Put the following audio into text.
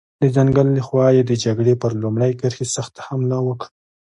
د ځنګل له خوا یې د جګړې پر لومړۍ کرښې سخته حمله وکړه.